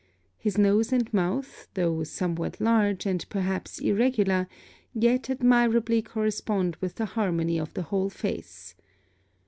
His nose and mouth, though somewhat large, and perhaps irregular, yet admirably correspond with the harmony of the whole face.